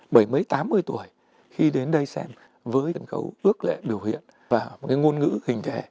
bởi mấy tám mươi tuổi khi đến đây xem với sân khấu ước lệ biểu hiện và một cái ngôn ngữ hình thể